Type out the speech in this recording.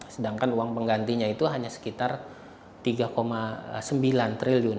sedangkan uang penggantinya itu hanya sekitar rp tiga sembilan triliun